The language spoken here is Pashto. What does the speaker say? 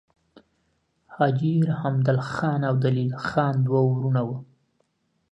حاجي رحمدل خان او دلیل خان دوه وړونه وه.